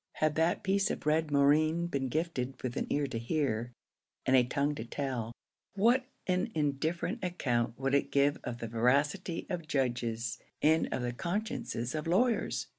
Had that piece of red moreen been gifted with an ear to hear, and a tongue to tell, what an indifferent account would it give of the veracity of judges and of the consciences of lawyers!